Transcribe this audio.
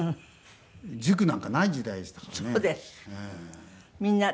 塾なんかない時代でしたからね。